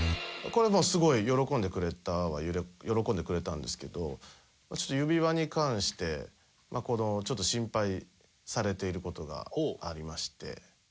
これもうすごい喜んでくれたは喜んでくれたんですけど指輪に関してちょっと心配されてる事がありまして。